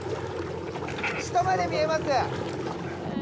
下まで見えます。